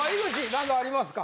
何かありますか？